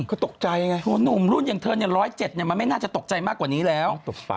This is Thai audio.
ก็ตกใจไงหนุ่มรุ่นอย่างเธอเนี่ย๑๐๗มันไม่น่าจะตกใจมากกว่านี้แล้ว